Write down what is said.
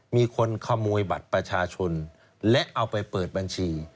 มีคนขโมยบัตรประชาชนและเอาไปเปิดบัญชี